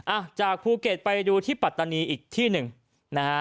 อ่ะจากภูเก็ตไปดูที่ปัตตานีอีกที่หนึ่งนะฮะ